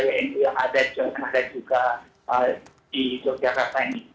yang ada juga di yogyakarta ini